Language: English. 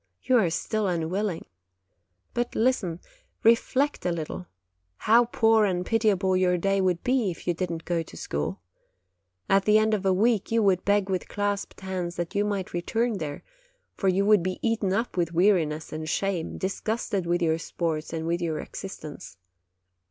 You are still unwilling. But listen; re flect a little! How poor and pitiable your day would be if you did not go to school! At the end of a week you would beg with clasped hands that you might return there, for you would be eaten up with weariness and shame; disgusted with your sports and with your ex istence.